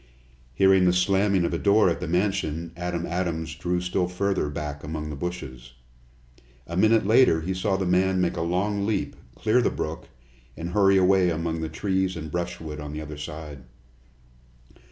Hearing the slamming of a door at the mansion, Adam Adams drew still further back among the bushes. A minute later he saw the man make a long leap, clear the brook, and hurry away among the trees and brushwood on the other side.